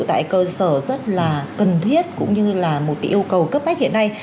tại cơ sở rất là cần thiết cũng như là một yêu cầu cấp bách hiện nay